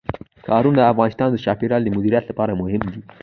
ښارونه د افغانستان د چاپیریال د مدیریت لپاره مهم دي.